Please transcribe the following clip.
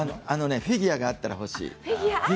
フィギュアがあったら欲しい。